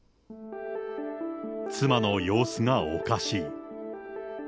妻の様子がおかしい。